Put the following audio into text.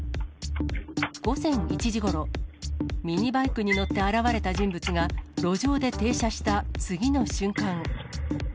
午前１時ごろ、ミニバイクに乗って現れた人物が路上で停車した次の瞬間。